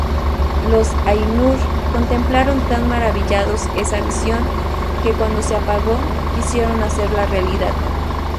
Los Ainur contemplaron tan maravillados esa visión, que, cuando se apagó, quisieron hacerla realidad.